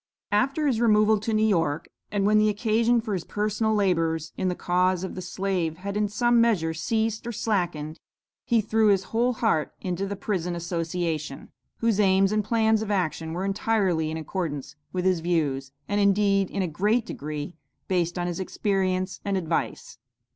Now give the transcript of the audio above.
After his removal to New York, and when the occasion for his personal labors in the cause of the slave had in some measure, ceased or slackened, he threw his whole heart into the Prison Association, whose aims and plans of action were entirely in accordance with his views, and indeed, in a great degree, based on his experience and advice.